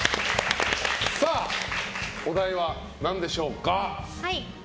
お題は何でしょうか？